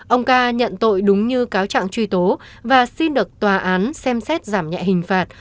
ông ca nhận tội đúng như cáo trạng truy tố và xin được tòa án xem xét giảm nhẹ hình phạt